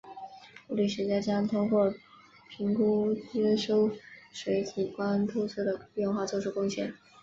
物理学家将通过评估接收水体光透射的变化做出贡献。